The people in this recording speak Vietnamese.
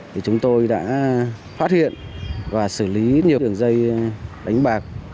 thì chúng tôi đã phát hiện và xử lý nhiều đường dây đánh bạc